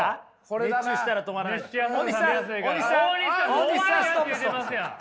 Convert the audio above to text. もう終わりやって言うてますやん！